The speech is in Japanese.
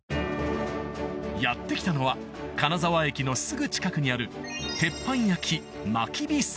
やって来たのは金沢駅のすぐ近くにある鉄板焼き